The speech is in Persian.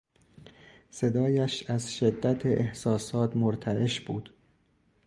صدایش از شدت احساسات مرتعش بود.